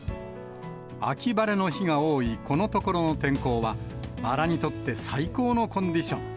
秋晴れの日が多いこのところの天候は、バラにとって最高のコンディション。